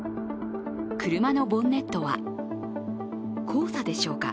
車のボンネットは黄砂でしょうか。